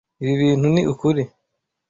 Ibi bintu ni ukuri.